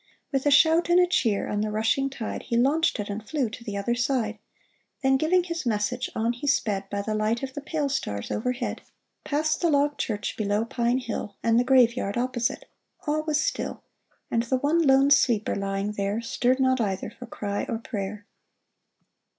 ". With a shout and a cheer, on the rushing tide He launched it and flew to the other side ; Then giving his message, on he sped. By the light of the pale stars overhead, Past the log church below Pine Hill, And the graveyard opposite. All was still. And the one lone sleeper lying there Stirred not either for cry or prayer.